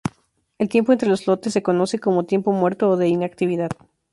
El tiempo entre los lotes se conoce como tiempo muerto o de inactividad.